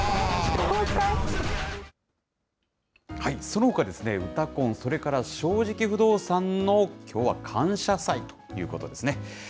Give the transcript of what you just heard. そのほか、うたコン、それから正直不動産のきょうは感謝祭ということですね。